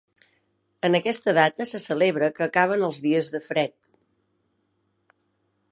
En aquesta data se celebra que acaben els dies de fred.